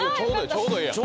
ちょうどええやん！